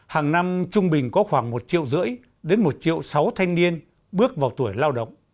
hàng năm trung bình có khoảng một triệu rưỡi đến một triệu sáu thanh niên bước vào tuổi lao động